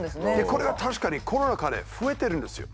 これは確かにコロナ禍で増えてるんですよ。